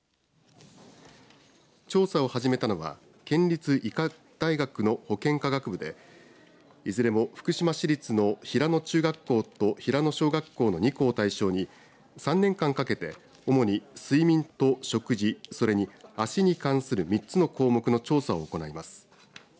調査を始めたのは県立医科大学の保健科学部でいずれも福島市立の平野中学校と平野小学校の２校を対象に３年間かけて主に睡眠と食事それに足に関する３つの項目の調査を行います。